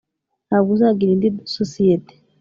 Ntabwo uzagira indi sosiyete